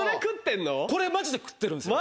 これマジで食ってるんですよ。